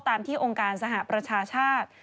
ตามที่องค์การสหประชาชาติ